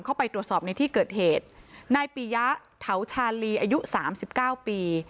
เข้าไปตรวจสอบในที่เกิดเหตุนายปียะเถาชาลีอายุสามสิบเก้าปี